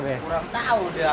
kurang tahu udah